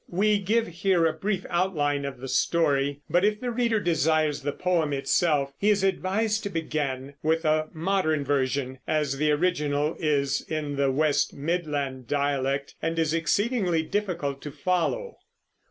We give here a brief outline of the story; but if the reader desires the poem itself, he is advised to begin with a modern version, as the original is in the West Midland dialect and is exceedingly difficult to follow.